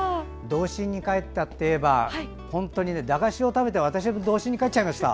童心に返ったといえば本当に、駄菓子を食べて私も童心に返っちゃいました。